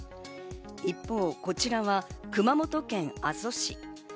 一方、こちらが熊本県阿蘇市。